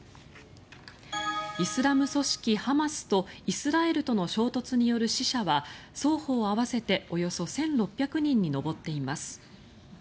イスラム組織ハマスとイスラエルとの衝突による死者は双方合わせておよそ１６００人に上っています。